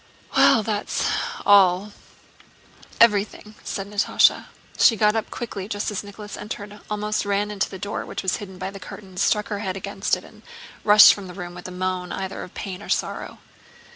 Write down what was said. "Well, that's all—everything," said Natásha. She got up quickly just as Nicholas entered, almost ran to the door which was hidden by curtains, struck her head against it, and rushed from the room with a moan either of pain or sorrow.